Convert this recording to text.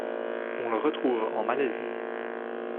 On le retrouve en Malaisie.